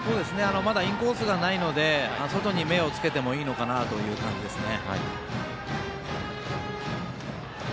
まだインコースがないので外に目をつけてもいい感じですね。